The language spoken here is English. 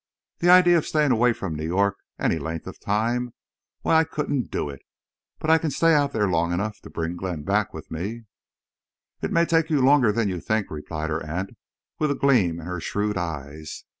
"The idea of staying away from New York any length of time—why, I couldn't do it I... But I can stay out there long enough to bring Glenn back with me." "That may take you longer than you think," replied her aunt, with a gleam in her shrewd eyes.